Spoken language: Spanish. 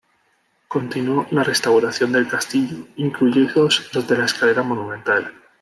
Continuó la restauración del castillo, incluidos los de la escalera monumental.